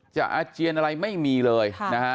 จะอาเจียนอะไรไม่มีเลย